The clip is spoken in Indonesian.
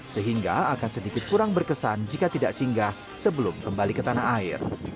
sehingga akan sedikit kurang berkesan jika tidak singgah sebelum kembali ke tanah air